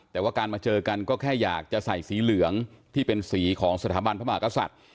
แต่ว่าการมาเจอกันก็แค่อยากจะใส่สีเหลืองที่เป็นสีของสถาบันพระมหากษัตริย์